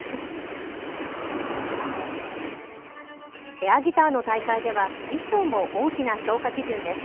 エアギターの大会では衣装も大きな評価基準です。